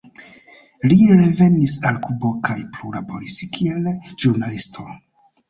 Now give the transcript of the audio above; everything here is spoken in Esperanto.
Li revenis al Kubo kaj plu laboris kiel ĵurnalisto.